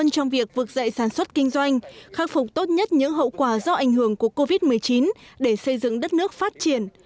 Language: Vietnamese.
trong việc vực dậy sản xuất kinh doanh khắc phục tốt nhất những hậu quả do ảnh hưởng của covid một mươi chín để xây dựng đất nước phát triển